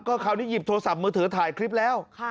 คราวนี้หยิบโทรศัพท์มือถือถ่ายคลิปแล้ว